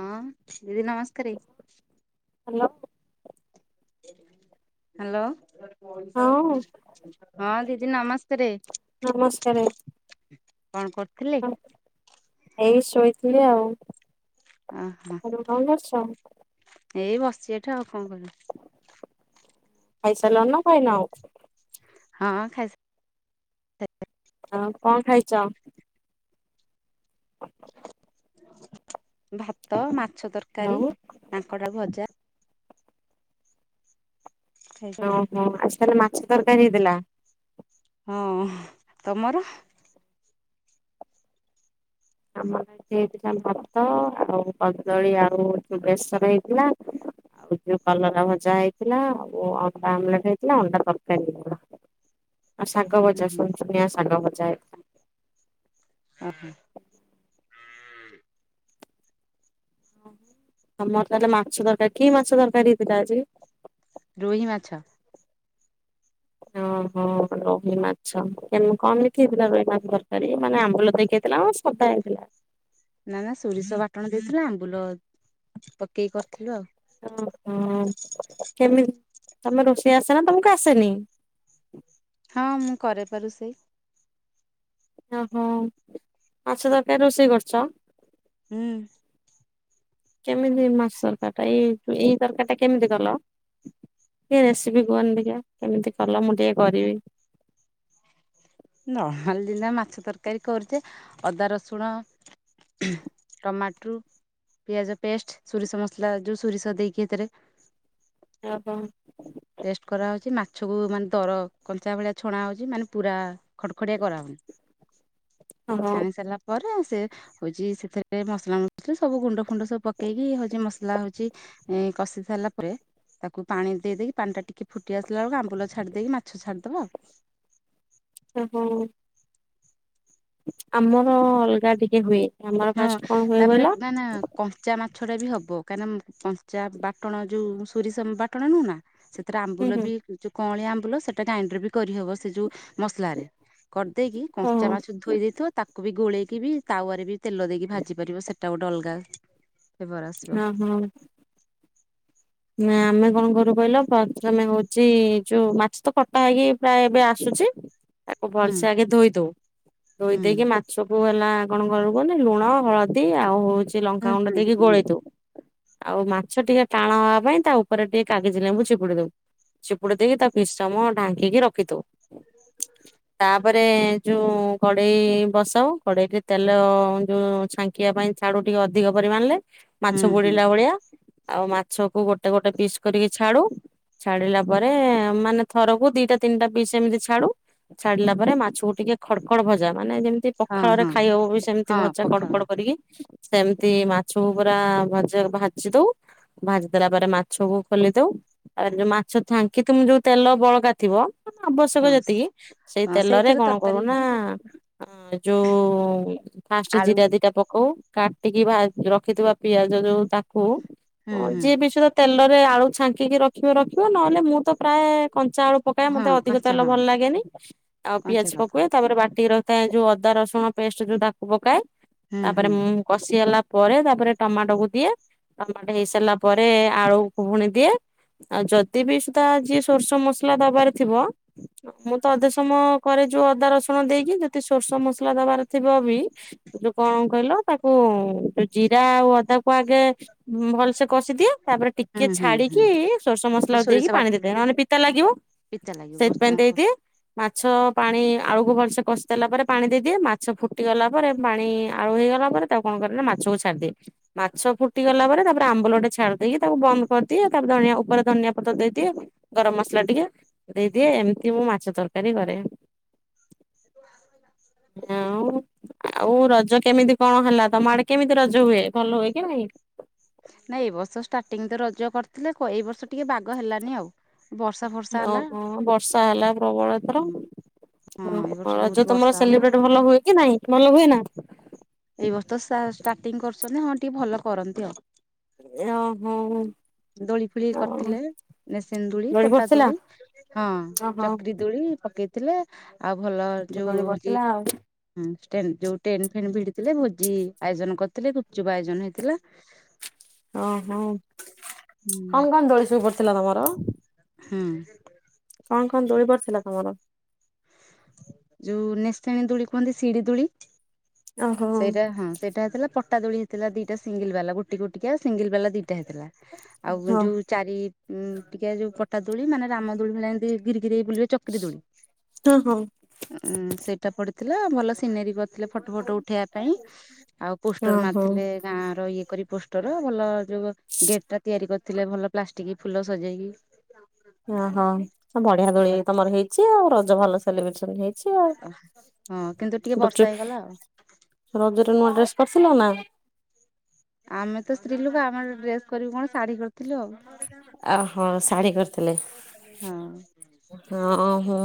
ହଁ ଦିଦି ନମସ୍କାର। ହ୍ୟାଲୋ। ହ୍ୟାଲୋ। ହଁ ହଁ ଦିଦି ନମସ୍କାରେ। ନମସ୍କାରେ। କଣ କରୁଥିଲେ? ଏଇ ଶୋଇଥିଲି ଆଉ। ଓହୋ ତମେ କଣ କରୁଛ? ଏଇ ବସିଚି ଏଠ ଆଉ କଣ କରିବି। ଖାଇସାରିଲଣି ନା ଖାଇନ ଆଉ? ହଁ ହଁ ଖାଇସା ଆଉ କଣ ଖାଇଛ? ଭାତ ମାଛ ତରକାରୀ ଆଉ କାଙ୍କଡ ଭଜା। ଖାଇଛୁ ଆଉ ଓହୋ ଆଜି ତାହେଲେ ମାଛ ତରକାରୀ ହେଇଥିଲା। ହଁ ତମର। ଆମର ବି ହେଇଥିଲା ଭାତ ଆଉ କଦଳୀ ଆଳୁ ବେଶର ହେଇଥିଲା। ଆଉ ଯୋଉ କଲରା ଭଜା ହେଇଥିଲା ଆଉ ଅଣ୍ଡା ଆମଲେଟ ହେଇଥିଲା ଅଣ୍ଡା ତରକାରୀ ହେଇଥିଲା। ଆଉ ଶାଗ ବଜା ଉହୁଁ ସୂଂସୁନିଆ ଶାଗ ଭଜା। ଓ ହୋ। ତମର ତାହେଲେ ମାଛ ତରକାରୀ କି ମାଛ ତରକାରି ହେଇଥିଲା ଆଜି। ରୋହି ମାଛ। ଓହୋ ରୋହି ମାଛ କେମିତି କଣ ହେଇଥିଲା ରୋହି ମାଛ ତରକାରି ମାନେ ଆମ୍ବୁଲ ଦେଇିକି ହେଇଥିଲା। ଖଟା ହେଇଥିଲା। ନା ନା ସୋରିଷ ବାଟଣ ଦେଇଥିଲୁ ଆମ୍ବୁଲ ପକେଇକି କରିଥିଲୁ ଆଉ। ଓହୋ କେମିତି ତମେ ରୋଷେଇ ଆସେନା ତମକୁ ଆସେନି। ହଁ ମୁଁ କରେ ପା ରୋଷେଇ। ଓହୋ ମାଛ ତରକାରି ରୋଷେଇ କରିଛ। ହୁଁ। କେମିତି ମସଲାଟା ଏଇ ଏଇ ତରକାରୀ ଟା କେମିତି କଲ। ଟିକେ ରେସିପି କୁହନି ଟିକେ କେମିତି କଲ ମୁଁ ଟିକେ କରିବି। ନର୍ମାଲ ଯେନ୍ତି ମାଛ ତରକାରୀ କରୁଚେ ଅଦା ରସୁଣ। ଖୁଁ ଟମାଟୁ। ପିଆଜ ପେଷ୍ଟ ସୋରିଷ ମସଲା ଯୋଉ ସୋରିଷ ଦେଇକି ଏଥିରେ। ଆଉ କଣ। ପେଷ୍ଟ କରାହେଉଛି ମାଛକୁ ମାନେ ଦର କଞ୍ଚା ଭଳିଆ ଛଣାହେଉଛି ମାନେ ପୁରା ଖଡ଼ଖଡ଼ିଆ କରାହେଉନି। [inaudible] ଓହୋ। ଛାଣି ସାରିଲା ପରେ ସେ ହଉଛି ସେଥିରେ ମସଲା ମସଲି ସବୁ ଗୁଣ୍ଡ ଫୁଣ୍ଡ ସବୁ ପକେଇକି ହଉଛି ମସଲା ହଉଛି। ଏଁ କଷି ସାରିଲା ପରେ ତାକୁ ପାଣି ଦେଇ ଦେଇେଇକି ପାଣି ଟା ଟିକେ ଫୁଟି ଆସିଲା ବେଲୁକୁ ଆମ୍ବୁ ଛାଡି ଦେଇକି ମାଛ ଛାଡିଦବ ଆଉ। ଅଁ ହଉ। ଆମର ଅଲଗା ଟିକେ ହୁଏ। ଆମର ହଁ ଫାଷ୍ଟ କଣ ହୁଏ ତାପରେ କହିଲ? ନା ନା। କଞ୍ଚା ମାଛ ଟା ବି ହବ କାହିଁକିନା କଞ୍ଚା ବାଟଣ ଯୋଉ ସୋରିଷ ବାଟଣ ନୁହନା ସେ ହେଥିରେ ହୁଁ ଆମ୍ବୁଲ ହୁଁ ବି ଯୋଉ କଅଁଳିଆ ଆମ୍ବୁଲ ସେଟା ଗ୍ରାଇଣ୍ଡର ବି କରିହବ ସେ ଯୋଉ ମସଲାରେ। କରିଦେଇକି କଞ୍ଚା ଓହୋ ମାଛ ଧୋଇ ଦେଇଥିବ ତାକୁ ବି ଗୋଳେଇକି ବି ତାୱରେ ବି ତେଲ ଦେଇକି ଭାଜି ପାରିବ ସେଟା ଗୋଟେ ଅଲଗା ଫ୍ଲେଭର୍ ଆସିବ। ହଁ ହଁ। ନା ଆମେ କଣ କରୁ କହିଲ ପ୍ରଥମେ ହଉଛି ଯୋଉ ମାଛ ତ କଟା ହେଇକି ପ୍ରାୟ ଏବେ ଆସୁଛି। ତାକୁ ହୁଁ ଭଲସେ ଆଗେ ଧୋଇ ଦଉ ଧୋଇ ଦେଇକି ହୁଁ। ମାଛକୁ ହେଲା କଣ କରିବୁ କୁହନି ଲୁଣ ହଳଦୀ ଆଉ ହଉଛି ହୁଁ ଲଙ୍କାଗୁଣ୍ଡ ହୁଁ ଦେଇକି ହୁଁ ଗୋଳେଦବୁ। ଆଉ ମାଛ ଟିକେ ଟାଣ ହ ପାଇଁ ତା ଉପରେ ଟିକେ କାଗିଜ ଲେମ୍ଵୁ ଚିପୁଡ଼ି ଦବୁ ଚିପୁଡି ଦେଇକି ତା କିଛି ସମୟ ଢାଙ୍କିକି ରଖିଦବୁ। [inaudible] ତାପରେ ଯୋଉ କଡେଇ ବସାଉ କଡେଇରେ ତେଲ ଯୋଉ ଛାଙ୍କ କିବା ପାଇଁ ଛାଡୁ ଟିକେ ଅଧିକ ପରିମାଣରେ ମାଛ ହୁଁ ହୁଁ ବୁଡିଲା ଭଳିଆ ଆଉ ମାଛକୁ ଗୋଟେ ଗୋଟେ ଗୋଟେ ପିସ୍ କରିକି ଛାଡୁ। ଛାଡିଲା ପରେ ମାନେ ଥରକୁ ଦିଟା ତିନିଟା ପିସ୍ ଏମିତି ଛାଡୁ। ଛାଡିଲା ପରେ ମାଛକୁ ଟିକେ ଖଡ ଖଡ ଭଜା ଭଜା ମାନେ ଯେମିତି ହଁ ପଖାଳରେ ହଁ ଖାଇ ହବ ବି ସେମିତି ହଁ ଭଜା କଡ ପଖାଳ କଡ କରିକି ସେମିତି ମାଛକୁ ପୁରା ଭାଜି ଦେବୁ ଭାଜି ଦେଲାପରେ ତାପରେ ମାଛକୁ ଖୋଲି ଦବୁ ଯୋଉ ମାଛ ଚ୍ଛାଙ୍କି ତୁମେ ଯୋଉ ତେଲ ବଳକା ଥିବ। ଆବଶ୍ୟକ ହଁ ଯେତିକି ସେଇ ହଁ ତେଲରେ ସେଇଥିରେ କଣ ତରକାରୀ କରୁନା। ହ ଯୋଉ ଫାଷ୍ଟ ଆଳୁ ଜିରା ଦିଟା ପକଉ। କାଟିକି ରଖିଥିବା ପିଆଜ ଯୋଉ ତାକୁ ହୁଁ ହୁଁ ଯିଏ ବି ତ ତେଲରେ ଆଳୁ ଛାଙ୍କିକି ରଖିବ ରଖିବ ନହେଲେ ମୁଁ ତ ପ୍ରାୟ କଞ୍ଚା ଆଳୁ ପକାଏ ହଁ ମତେ ଅଧିକ କଞ୍ଚା ତେଲ ହଁ ଭଲ ଲାଗେନି ଆଉ କଞ୍ଚା ପିଆଜ କକା ପକାଏ ତାପରେ ବାଟି ରଖ ଯୋଉ ଅଦା ରସୁଣ ପେଷ୍ଟ ଯୋଉ ତାକୁ ପକାଏ। ହୁଁ ତାପରେ ହୁଁ ମୁ କଷି ହେଲା ପରେ ତାପରେ ଟମାଟୋ କୁ ଦିଏ ଟମାଟୋ ହେଇ ସାରିଲା ପରେ ରେ ଆଳୁ ଭୁଣି ଦିଏ। ଆଉ ଯଦି ବିି ସୁଧା ଯିଏ ସୋରିଷ ମସଲା ଦବାରେ ଥିବ ମୁଁ ଅଧେ ସମୟ ଘରେ ଯୋଉ ଅଦା ରସୁଣ ଦେଇକିଯଦି ସୋରିଷ ମସଲା ଦବାର ଥିବ ବି। ଯୋଉ କଣ କହିଲ ତାକୁ ଯୋଉ ଜିରା ଆଉ ଅଦା କୁ ଆଗେ ଭଲସେ କଷି ଦିଏ ତାପରେ ଟିକେ ହୁଁ ହୁଁ ହୁଁ। ଛାଡିକି ସୋରଷ ତ ମସଲା ଦେଇକି ସୋରିଷ ପାଣି ଦେଇ ଦିଏ ବାଟଣଟା ନହେଲେ ପିତା ଲାଗିବ। ପିତା ଲାଗିବ। ସେଇଥିପାଇଁ ଦେଇଦିଏ। [unintelligible] ମାଛ ପାଣି ଆଳୁକୁ ଭଲସେ କଷିଦେଲା ପରେ ପାଣି ଦେଇଦିଏ ମାଛ ଫୁଟିଗଲା ପରେ ତାପରେ ପାଣି ଆଳୁ ହେଇଗଲା ପରେ ତାକୁ କଣ କରେନା ମାଛକୁ ଛାଡିଦିଏ। ମାଛ ଫୁଟିଗଲା ପରେ ତାପରେ ଆମ୍ବୁଲଟେ ଛାଡ଼ି ଦେଇକି ତାକୁ ବନ୍ଦ କରିଦିଏ ତାପରେ ଧନିଆ ଉପରେ ଧନିଆ ପତ୍ର ଦେଇଦିଏ ଗରମ ମସଲା ଟିକେ ଦେଇଦିଏ ଏମିତି ମୁଁ ମାଛ ତରକାରୀ କରେ। [inaudible] ଆଉ ଆଉ ରଜ କେମିତି କଣ ହେଲା ତମ ଆଡେ କେମିତି ରଜ ହୁଏ ଭଲ ହୁଏ କି ନାଇଁ। ନାଇଁ ଏ ବର୍ଷ ଷ୍ଟାର୍ଟିଂ ତ ରଜ କରିଥିଲେ ଏ ବର୍ଷ ଟିକେ ବାଗ ହେଲାନି ଆଉ। ବର୍ଷା ଫର୍ଷା ହେଲା ଓହୋ ବର୍ଷା ହେଲା ପ୍ରବଳ ଏଥର। ହଁ ଏଇ ବର୍ଷ ଅଁ ବହୁତ ରଜ ବର୍ଷା ତମର ହେଲା। ସେଲିବ୍ରେଟ ଭଲ ହୁଏ କି ନାଇଁ ଭଲ ହୁଏ ନା। ଏଇ ବର୍ଷତ ସା ଷ୍ଟାର୍ଟିଂ କରୁଛନ୍ତି ହଁ ଟିକେ ଭଲ କରନ୍ତି ଆଉ। [unintelligible] ହଉ। ଦୋଳି ଫେଳି କରିଥିଲେ ନିଶାନି ଦୋଳି ପଟା ଦୋଳି। ହଁ ଓହୋ ଚକରିୀ ଦୋଳି ପକେଇଥିଲେ ଆଉ ଭଲ ଏତେ ଯୋଉ ଦୋଳି ହଉଛି। ପଡିଥିଲା ଆଉ। ହଁ ଷ୍ଟେନ ଯୋଉ ଟେଣ୍ଡ ଫେଣ୍ଡ ଭିଡି ଥିଲେ ଭୋଜି ଆୟୋଜନ କରିଥିଲେ ଗୁପଚୁପ ଆୟୋଜନ ହେଇଥିଲା। ଓହୋ କଣ କଣ ଦୋଳି ସବୁ ପଡିଥିଲା ତମର। ହୁଁ। କଣ କଣ ଦୋଳିିପଡିଥିଲା ତମର। ଯୋଉ ନେସାଣୀ ଦୋଳି କୁହନ୍ତି ସିଡି ଦୁଳି। ଓହୋ ସେଇଟା ହଁ ସେଇଟା ହେଇଥିଲା ପଟା ଦୋଳି ହେଇଥିଲା ଦିଟା ସିଙ୍ଗଲ ବାଲା ଗୋଟେ ଗୋଟିକା ସିଙ୍ଗଲ ବାଲା ଦିଟା ହେଇଥିଲା। ଆଉ ହଁ ଯୋଉ ଚାରି ଟିକିଆ ଯୋଉ ପଟା ଦୋଳି ମାନେ ରାମଦୋଳି ଭଳିଆ ଏମିତି ଘିରି ଘିରି ହେଇ ବୁଲିବ। ଚକିରି ଦୋଳି ହଁ ହଁ ଉଁ ସେଇଟା ପଢିଥିଲା ଭଲ ସିନେରି କରିଥିଲେ ଫଟ ଉଠେଇବା ପାଇଁ ଆଉ ପୋଷ୍ଟର ଓହୋ ମାରିଥିଲେ ଗାଁ ର ଇଏ କରି ପୋଷ୍ଟର ଭଲ ଯୋଉ। ଗେଟ ଟା ତିଆରି କରିଥିଲେ ଭଲ ପ୍ଲାଷ୍ଟିକ ଫୁଲ ସଜେଇକି। ଓହୋ ଆ ବଢିଆ ଦୋଳି ତମର ହେଇଛି ଆଉ ରଜ ଭଲ ସେଲିବ୍ରେସନ ହେଇଛି। ଆଉ। ହଁ କିନ୍ତୁ ଟିକେ ବର୍ଷା ଗୁପଚୁପ ହେଇଗଲା ଆଉ। ରଜରେ ନୂଆ ଡ୍ରେସ୍ କରିଥିଲ ନାଁ। ଆମେ ତ ସ୍ତ୍ରୀ ଲୋକ ଆମର ଡ୍ରେସ କରିବୁ କଣ ଶାଢୀ କରିଥିଲୁ। ଆଉ ଆ ହଁ ଶାଢୀ କର ଥିଲେ ହଁ। ହଁ ହଁ।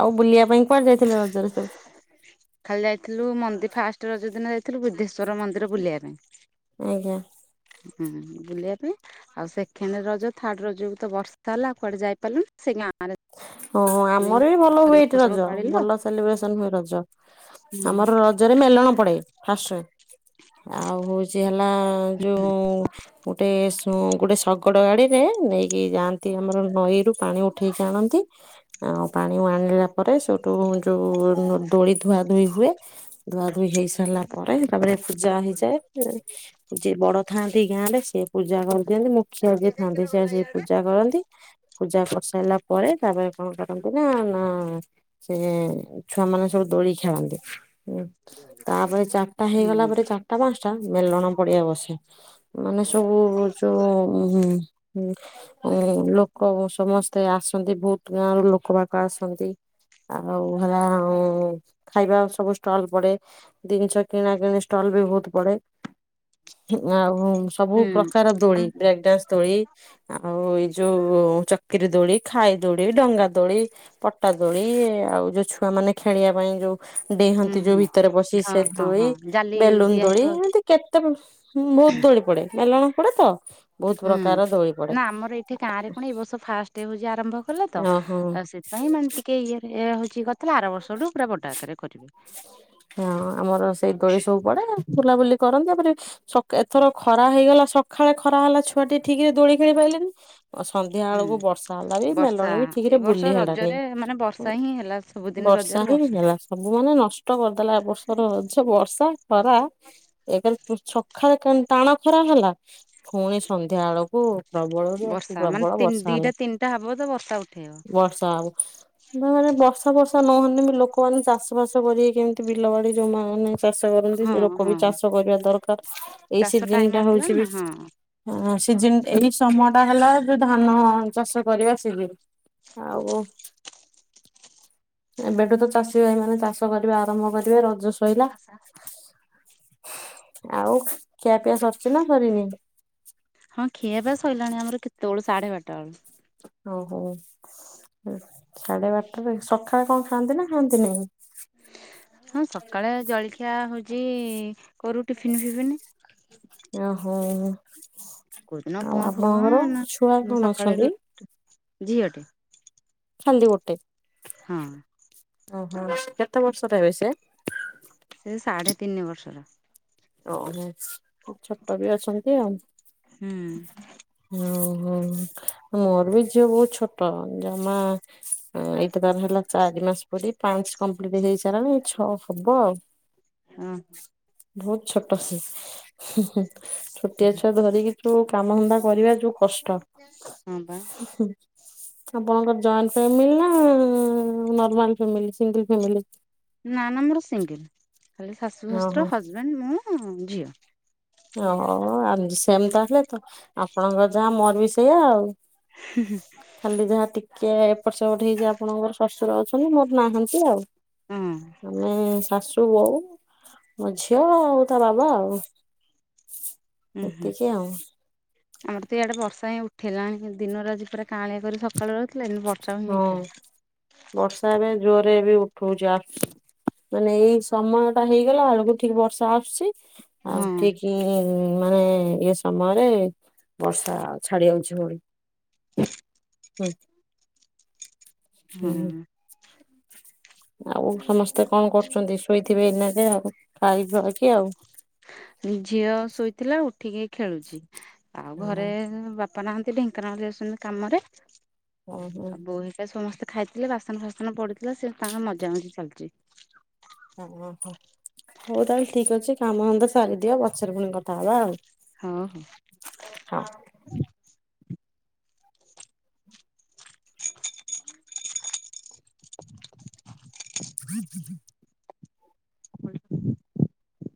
ଆଉ ବୁଲିବା ପାଇଁ କୁଆଡେ ଯାଇଥିଲେ ରଜରେ ସବୁ? ଖାଲି ଯାଇଥିଲୁ ମନ୍ଦି ଫାର୍ଷ୍ଟ ରଜ ଦିନ ଯାଇଥିଲୁ ବୁଦ୍ଧେଶ୍ଵର ମନ୍ଦିର ବୁଲିବା ଆଜ୍ଞା ପାଇଁ। ହୁଁ ବୁଲିବା ପାଇଁ ଆଉ ସେକେଣ୍ଡ ରଜ ଥାର୍ଡ ରଜକୁ ତ ବର୍ଷ ତା ହେଲା କୁଆଡେ ଯାଇ ପାରିଲୁନୁ ସେ ଗାଁରେ। ଓହୋ ଯାଇକି ଆମର ବି ଭଲ ହୁଏ ଏଠି ମହୋତ୍ସବ ରଜ ପାଳିଲୁ ଆଉ ଭଲ ସେଲିବ୍ରେସନ ହୁଏ ରଜ। ହୁଁ ଆମର ରଜରେ ମେଲଣ ପଡେ ଫାର୍ଷ୍ଟରେ ଆଉ ହ ଚି ହେଲା ଯୋଉ। ଗୋଟେ ସୁଁ ଗୋଟେ ଶଗଡ ଗାଡିରେ ନେଇକି ଯାଆନ୍ତି ଆମର ନଈରୁୁ ପାଣି ଉଠେଇ ଟାଣନ୍ତି ଆଁ ପାଣି କୁ ଆଣିଲା ପରେ ସେଉଠୁ ଯୋଉ ଦୋଳି ଧୁଆ ଧୁଇ ହୁଏ। ଧୁଆ ଧୁଇ ହେଇ ସାରିଲା ପରେ ତାପରେ ପୂଜା ହେଇଯାଏ ଏଁ। ଯିଏ ବଡ ଥାଆନ୍ତି ଗାଁ ରେ ସିଏ ପୂଜା କରିଦିଅନ୍ତି ମୁ ଖିଆ ବି ଥାନ୍ତି ସେ ଆସି ପୂଜା କରନ୍ତି ପୂଜା କରିସାରିଲା ପରେ ତାପରେ। କଣ କରନ୍ତି ନା ନା ସେ ଛୁଆ ମାନେ ସବୁ ଦୋଳି। ଖେଳନ୍ତି ଉଁ ତାପରେ ଚାରିଟା ହୁଁ ହେଇଗଲା ପରେ ଚା ଟା ପାଞ୍ଚ ଟା ମେଲଣ ପଡିଆ ବସେ। ମାନେ ସବୁ ଯୋଉ ଉଁ ହୁଁ ଉଁ ଉଁ ଲୋ କ ସମସ୍ତେ ଆସନ୍ତି ବହୁତ ଗାଁରୁ ଲୋକ ବାକ ଆସନ୍ତି। ଆଉ ହେଲା ଖାଇବା ସବୁ ଷ୍ଟଲ ପଡେ। ଦିନିଷ କିଣା କିଣି ଷ୍ଟଲ ବି ବହୁତ ପଡେ। ଉଁ ଆଉ ସବୁ ହୁଁ ପ୍ରକାର ଆମ ଦୋଳି ବ୍ରେକ ଡାନ୍ସ ଦୋଳି। ଆଉ ଏଇ ଯୋଉ ଚକିରି ଦୋଳି। ଖାଇ ଦୋଡି, ଡଙ୍ଗା, ଦୋଳି, ପଟା ଦୋଳି ଆଉ ଯୋଉ ଛୁଆ ମାନେ ଖେଳିବା ପାଇଁ ଯୋଉ। ହୁଁ ଡେହନ୍ତି ଯୋଉ ହୁଁ ଭିତରେ ପସି ହଁ ସେ ହଁ ଦେଳି। ହଁ ଜାଲି ବେଲୁନ ଦିଆ ଦୋଳି ହେଇଥିବ ଏମିତି କେତେ ଉଁ ବହୁତ ଦୋଳି ପଡେ ମେଲଣ ପଡେ ତ। ବହୁତ ହୁଁ ପ୍ରକାର ଦୋଳି ପଡେ ନା ଆମର ଏଇଠି ଗାଁ ରେ କଣ ଏଇ ବର୍ଷ ଫାର୍ଷ୍ଟ ହଉଛି ଆରମ୍ଭ କଲେ ତ ଓହୋ ଅ ସେ ପାଇଁ ମାନେ ଟିକେ ଇଏରେ ହଉଚି କରିଥିଲା ଆର ବର୍ଷଠୁ ପୁରା ବଡ ଆକାରେ କରିବେ। ହଁ ଆମର ସେଇ ଦୋଳି ସବୁ ପଡେ। ବୁଲାବୁଲି କରନ୍ତି ତାପରେ ସକ୍ ଏଥର ଖରା ହେଇଗଲା ସକାଳେ ଖରା ହେଲା ଛୁଆ ଟିକେ ଠିକ ରେ ଦୋଳି। ଖେଳି ପାଇଲେନି ଅ ସନ୍ଧ୍ୟା ହୁଁ ବେଳକୁ ବର୍ଷା ହେଲା ବି ବର୍ଷା ମେଲଣ ବି ଏ ଠିକରେ ବର୍ଷ ବୁଲି ହେଲାନି ରଜରେ ମାନେ ବର୍ଷା ଉଁ। ହିଁ ହେଲା ସବୁଦିନ ବର୍ଷା ରଜରେ ହିଁ ହେଲା ସବୁ ମାନେ ନଷ୍ଟ କରିଦେଲା ଏ ବର୍ଷର [unintelligible] ବର୍ଷା, ଖରା। ଏକେରେ ଉଁ ସଖାଳେ କେନ ଟାଣ ଖରା ହେଲା ପୁଣି ସନ୍ଧ୍ୟା ବେଳକୁ। ପ୍ରବଳରୁ ଅତି ବର୍ଷା ମାନେ ପ୍ରବଳ ତିନ ବର୍ଷା ଦିଟା ହେଲା। ତିନିଟା ହବ ତ ବର୍ଷା ଉଠେଇବ ବର୍ଷା ହବ। ନା ମାନେ ବର୍ଷା ବର୍ଷା ନହେନେ ବି ଲୋକମାନେ ଚାଷ ବାସ କରିକି କେମିତି ବିଲ ବାଡି ଜୋଉମାନେ। ଚାଷ କରନ୍ତି। ସେ ହଁ ଲୋକ ହଁ ବି ଚାଷ କରିବା ଦରକାର ଏଇ ଚାଷ ସିଜନ ଟାଇମ ଟା ଆସିଲାଣି ହଉଛି ବି। ନା ହଁ। ଆଁ ସିଜିନ୍ ଏଇ ସମୟ ଟା ହେଲା ଯୋଉ ଧାନ ଚାଷ କରିବା ସିଜିନ୍। ଆଉ କ ଏବେଠୁ ତ ଚାଷୀ ଭାଇ ମାନେ ଚାଷ କରିବା ଆରମ୍ଭ କରିବେ ରଜ ଶଇଲା। ଆଉ ଖିଆ ପିଆ ସରିଛି ନା ସରିନି? ହଁ ଖିଆ ପିଆ ସରିଲାଣି ଆମର କେତେବେଳୁ ସାଢେ ବାରଟା ବେଳୁ। ଓହୋ ସାଢେ ବାରଟାରେ। ସକାଳେ କଣ ଖାଆନ୍ତି ନା ଖାଆନ୍ତିନି? ହଁ ସକାଳେ ଜଳଖିଆ ହଉଚି କରୁ ଟିଫିିନ ଫିଫନ୍। ଅଁ ହୋଁ। କୋଉଦିନ ଉପମା ଫୁଲମା ନାଁ କଣ ସକାଳେ ଅଛନ୍ତି ରୁଟ ଝିଅଟେ। ଖାଲି ଗୋଟେ? ହଁ। ଓହୋ କେତେ ବର୍ଷରେ ଏବେ ସିଏ? ସେ ସାଢ଼େ ତିନି ବର୍ଷର। ଓହୋ ଛୋଟ ବି ଅଛନ୍ତି ଆଉ। ହୁଁ ଉଁ ହୁଁ ମୋର ବି ଝିଅ ବହୁତ ଛୋଟ। ଜମା ଏଇଟା ତାର ହେଲା ଚାରି ମାସ ପୁରି ପାଞ୍ଚ କମ୍ପ୍ଲିଟ୍ ହେଇସାଇଲାଣି ଛଅ ହବ ଆଉ। ହଁ। ବହୁତ୍ ଛୋଟ ସେ। ହୁଁ ଛୋଟିଆ ଛୁଆ ଧରିକି ଯୋଉ କାମଧନ୍ଦା କରିବା ଯୋଉ କଷ୍ଟ। ହଁ ବା ହୁଁ। ଆପଣଙ୍କ ଜଏଣ୍ଟ ଫ୍ୟାମିଲି ନାଆଁ ନର୍ମାଲ ଫ୍ୟାମିଲି ସିଙ୍ଗଲ୍ ଫ୍ୟାମିଲି? ନା ନା ମୋର ସିଙ୍ଗଲ୍। ଖାଲି ଶାଶୁ, ଓହୋ ଶଶୁର, ହଜବେଣ୍ଡ, ମୁଁ, ଝିଅ। ଓ ଆମ ସେମ ତା ହେଲେ ତ ଆପଣଙ୍କ ଯାହା ମୋର ବି ସେୟା ଆଉ। ହୁଁ ହୁଁ ଖାଲି ଯାହା ଟିକେ ଏପଟ ସେପଟ ହେଇଚି ଆପଣଙ୍କର ଶଶୁର ଅଛନ୍ତି ମୋର ନାହାନ୍ତି ଆଉ। ହଁ ଆମେ ଶାଶୁ, ବୋଉ, ମୋ ଝିଅ, ଆଉ ତା ବାବା ଆଉ। ଉଁ ହୁଁ ଏତିକି ଆଉ ଆମର ତ ଇଆଡେ ବର୍ଷା ହିଁ ଉଠେଇଲାଣି। ଦିନରେ ଆଜି ପୁରା କାଆଁଳିଆ କରି ସକାଳୁ ରଖିଲା ଏବେ ବର୍ଷା ହିଁ ହଁ। ଉଠିଲା। ବର୍ଷା ଏବେ ଜୋରରେ ବି ଉଠୋଉଚି। ଆସ ମାନେ ଏଇ ସମୟ ଟା ହେଇଗଲାଳୁ କୁ ଠିକ ବର୍ଷା ଆସୁଚି। ଆଉ ହଁ ଠିକ ଏ ମାନେ ଇଏ ସମୟରେ ବର୍ଷା ଛାଡି ଯାଉଛି ଭଳି। ହୁଁ। ହୁଁ। ହଁ ଆଉ ସମସ୍ତେ କଣ କରୁଚନ୍ତି। ଶୋଇଥିବେ ଏଇନା ଜାଆ ଖାଇଖୁଆକି ଆଉ। ଏଇ ଝିଅ ଶୋଇଥିଲା ଉଠିକି ଖେଳୁଚି। ଆଉ ଓହୋ ଘରେ ବା ବାପା ନାହାନ୍ତି ଢେଙ୍କାନାଳ ଯାଇଚନ୍ତି କାମରେ। ଓହୋ ଆଉ ବୋଉ ଏ ସମସ୍ତେ ଖାଇଥିଲେ। ବାସନ ଫାସନ ପଡିଥିଲା ସେ ତାଙ୍କର ମଜା ମଜି ଚାଲଚି। ଓହୋ ହୋଉ ତାହେଲେ ଠିକ ଅଛି କାମ ଧନ୍ଦା ସାରିଦିଅ ପଛରେ ପୁଣି କଥା ହବା ଆଉ। ହଁ ହଁ। ହଁ। [unintelligible] [unintelligible] [inaudible]